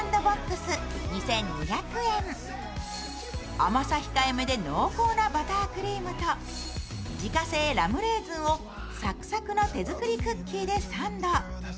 甘さ控えめで濃厚なバタークリームと自家製ラムレーズンをサクサクの手作りクッキーでサンド。